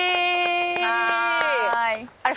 あれ。